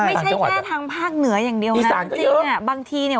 ไม่ใช่แค่ทางภาคเหนืออย่างเดียวนะจริงจริงเนี่ยบางทีเนี่ย